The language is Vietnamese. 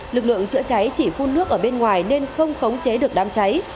lực lượng chữa cháy chỉ phun nước ở bên ngoài nên không khống chế được đám cháy